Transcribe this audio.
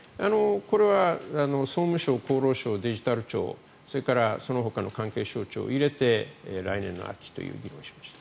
これは総務省、厚労省、デジタル庁それからそのほかの関係省庁を入れて来年の秋という議論をしました。